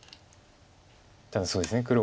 ただそうですね。